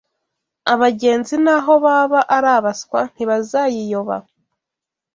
Abagenzi naho baba ari abaswa ntibazayiyoba